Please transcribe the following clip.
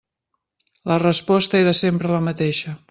La resposta era sempre la mateixa.